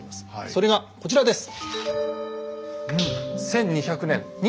それがこちらです。